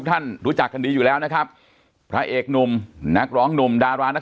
ท่านรู้จักกันอยู่แล้วฉายากล้องอายุน้อย